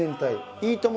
「いいとも！」